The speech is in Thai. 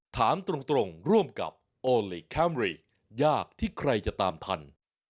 ถามตรงร่วมกับโอลี่คัมรี่ยากที่ใครจะตามทัน